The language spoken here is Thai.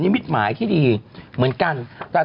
พี่เราหลุดมาไกลแล้วฝรั่งเศส